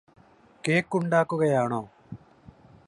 കേക്കുണ്ടാക്കുകയാണോ